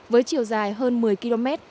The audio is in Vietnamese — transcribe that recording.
với chiều dài hơn một mươi km